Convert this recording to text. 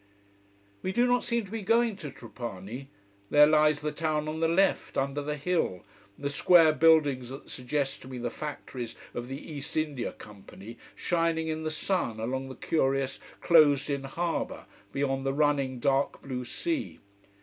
We do not seem to be going to Trapani. There lies the town on the left, under the hill, the square buildings that suggest to me the factories of the East India Company shining in the sun along the curious, closed in harbour, beyond the running, dark blue sea.